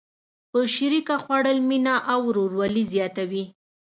په شریکه خوړل مینه او ورورولي زیاتوي.